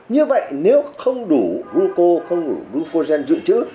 như vậy nếu không đủ glucose không đủ glucogen giữ chữ